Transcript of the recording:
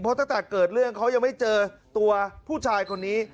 เพราะตั้งแต่เกิดเรื่องเขายังไม่เจอตัวผู้ชายคนนี้